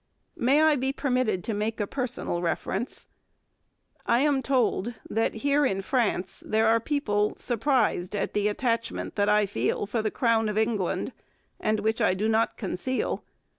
May I be permitted to make a personal reference? I am told that here in France there are people surprised at the attachment that I feel for the Crown of England and which I do not conceal.